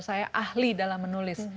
saya ahli dalam menulis